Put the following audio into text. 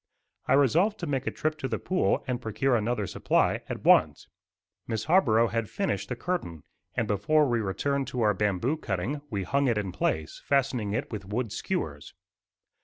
I resolved to make a trip to the pool and procure another supply at once. Miss Harborough had finished the curtain, and before we returned to our bamboo cutting we hung it in place, fastening it with wooden skewers.